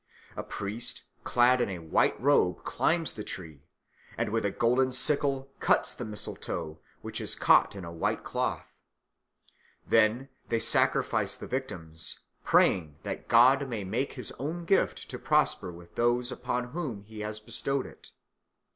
A priest clad in a white robe climbs the tree and with a golden sickle cuts the mistletoe, which is caught in a white cloth. Then they sacrifice the victims, praying that God may make his own gift to prosper with those upon whom he has bestowed it.